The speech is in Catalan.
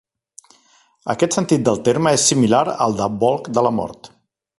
Aquest sentit del terme és similar al de "bolc de la mort".